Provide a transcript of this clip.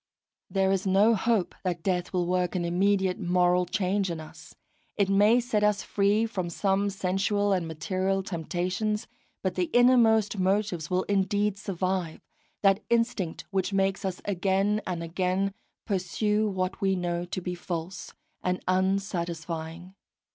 There is no hope that death will work an immediate moral change in us; it may set us free from some sensual and material temptations, but the innermost motives will indeed survive, that instinct which makes us again and again pursue what we know to be false and unsatisfying.